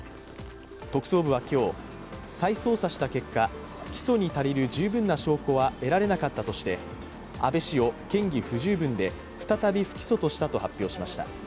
特捜部は今日、再捜査した結果、起訴に足りる十分な証拠は得られなかったとして、安倍氏を嫌疑不十分で再び不起訴としたと発表しました。